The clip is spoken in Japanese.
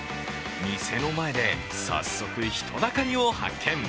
店の前で、早速人だかりを発見。